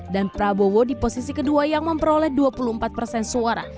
dan prabowo di posisi kedua yang memperoleh dua puluh empat persen suara